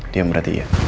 dia yang berarti iya